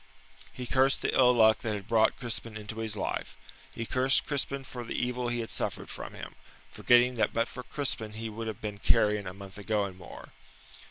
He cursed the ill luck that had brought Crispin into his life. He cursed Crispin for the evil he had suffered from him, forgetting that but for Crispin he would have been carrion a month ago and more.